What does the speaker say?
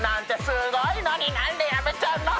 「すごいのに何でやめちゃうの！」